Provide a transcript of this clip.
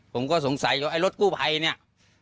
ผมก็สงสัยว่ารถกู้ไพเนี่ย